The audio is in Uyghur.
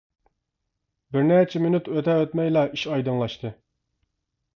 بىرنەچچە مىنۇت ئۆتە ئۆتمەيلا ئىش ئايدىڭلاشتى.